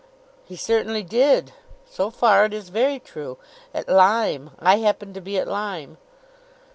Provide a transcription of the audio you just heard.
"He certainly did. So far it is very true. At Lyme. I happened to be at Lyme."